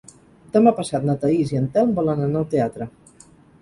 Demà passat na Thaís i en Telm volen anar al teatre.